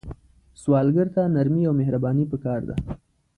سوالګر ته نرمي او مهرباني پکار ده